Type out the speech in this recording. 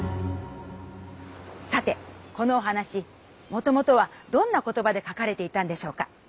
さてこのおはなしもともとはどんな言葉で書かれていたんでしょうか？